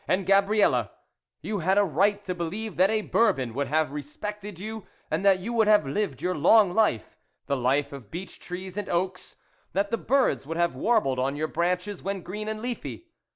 and Gabrielle you had a right to believe that a Bourbon would have respected you, that you would have lived your long life the life of beech trees and oaks ; that the birds would have warbled on your branches when green and leafy.